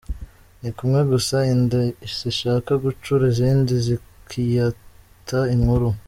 Ni kumwe gusa inda zishaka gucura izindi zikiyita nkuru.